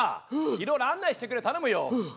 いろいろ案内してくれ頼むよ。